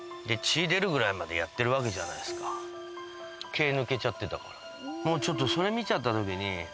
毛抜けちゃってたから。